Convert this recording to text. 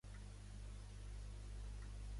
Amb qui esposar la seva filla?